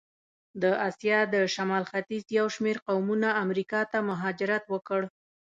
د آسیا د شمال ختیځ یو شمېر قومونه امریکا ته مهاجرت وکړ.